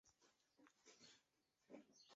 毕业于安徽省委党校党建与经济发展专业。